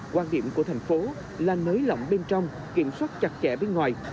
quan điểm của thành phố là nới lỏng bên trong kiểm soát chặt chẽ bên ngoài